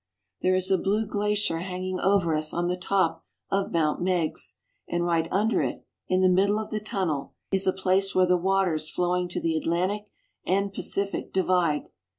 There is a blue glacier hanging over us on the top of Mount Meiggs, and right under it, in the middle of the tunnel, is a place where the waters flowing to the Atlantic and Pacific divide.